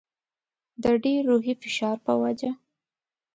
د ډېر روحي فشار په وجه.